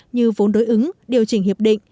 như vốn đối ứng điều chỉnh hiệp định